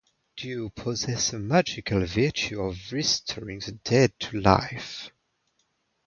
Dew possesses the magical virtue of restoring the dead to life.